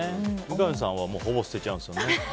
三上さんはほぼ捨てちゃうんですよね。